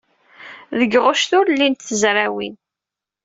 Deg Ɣuct ur llint tezrawin.